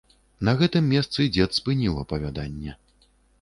На гэтым месцы дзед спыніў апавяданне.